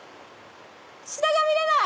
下が見れない！